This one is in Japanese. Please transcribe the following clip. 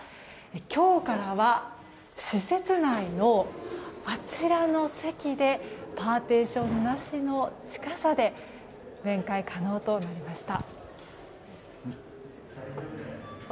今日からは施設内の、あちらの席でパーテーションなしの近さで面会可能となりました。